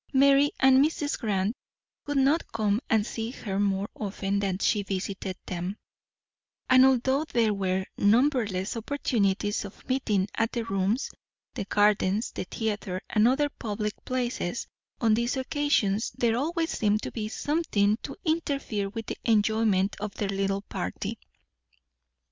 Mary and Mrs. Grant would not come and see her more often than she visited them; and although there were numberless opportunities of meeting at the Rooms, the gardens, the theatre, and other public places, on these occasions there always seemed to be something to interfere with the enjoyment of their little party.